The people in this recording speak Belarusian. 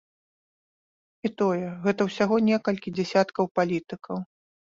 І тое, гэта ўсяго некалькі дзясяткаў палітыкаў.